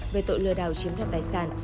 về tội lừa đào chiếm đặt tài sản